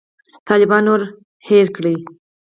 طالبان نور هېر کړي.